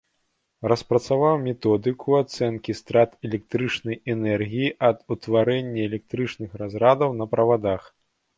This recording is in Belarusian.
Распрацаваў методыку ацэнкі страт электрычнай энергіі ад утварэння электрычных разрадаў на правадах.